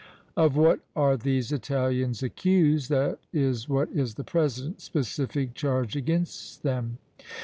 "Of what are these Italians accused, that is what is the present specific charge against them?"